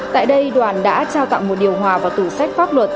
tại đây đoàn đã trao tặng một điều hòa vào tù sách pháp luật